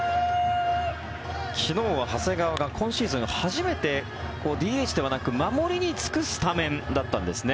昨日は長谷川が今シーズン初めてＤＨではなく、守りに就くスタメンだったんですね。